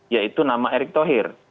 yaitu nama erick tohir